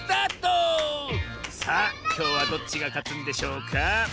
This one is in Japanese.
さあきょうはどっちがかつんでしょうか？